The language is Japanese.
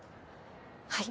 はい。